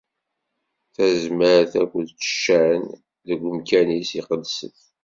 Tazmert akked ccan, deg umkan-is iqedsen.